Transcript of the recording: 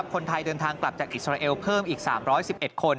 คนไทยเดินทางกลับจากอิสราเอลเพิ่มอีก๓๑๑คน